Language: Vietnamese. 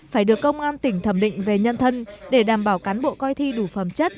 phải được công an tỉnh thẩm định về nhân thân để đảm bảo cán bộ coi thi đủ phẩm chất